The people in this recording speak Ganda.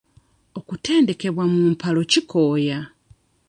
Okutendekebwa mu mpalo kikooya.